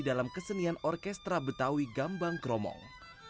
dalam kesenian orkestra betawi gambang kromong